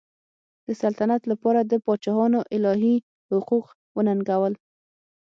د سلطنت لپاره د پاچاهانو الهي حقوق وننګول.